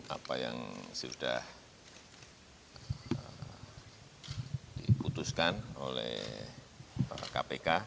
apa yang sudah diputuskan oleh kpk